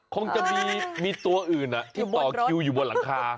คงจะมีตัวอื่นที่ต่อคิวอยู่บนหลังคา